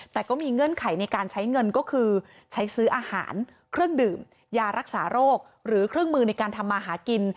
แต่ก็มีเงื่อนไขในการใช้เงินก็คือใช้ซื้ออาหารเครื่องดื่มยารักษาโรคหรือเครื่องมือในการทำมาหากิน